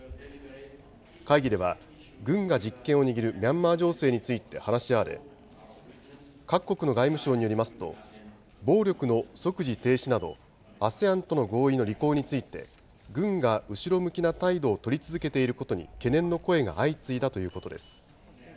会議では、軍が実権を握るミャンマー情勢について話し合われ、各国の外務省によりますと、暴力の即時停止など、ＡＳＥＡＮとの合意の履行について、軍が後ろ向きな態度を取り続けていることに懸念の声が相次いだということです。